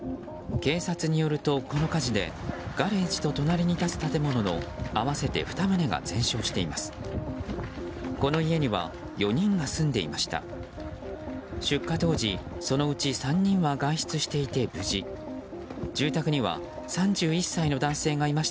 警察によるとこの火事でガレージと隣に立つ建物の合わせて２棟が全焼しています。